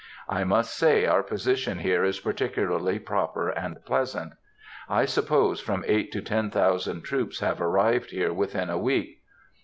I must say our position here is particularly proper and pleasant.... I suppose from eight to ten thousand troops have arrived here within a week.